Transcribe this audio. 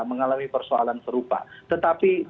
mengalami persoalan serupa tetapi